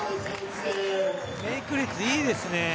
メイク率いいですね。